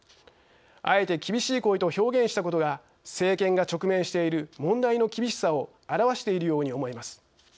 あえて厳しい声と表現したことが政権が直面している問題の厳しさを表しているように思えます。